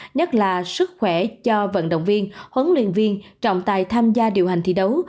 nhất là sức khỏe cho vận động viên huấn luyện viên trọng tài tham gia điều hành thi đấu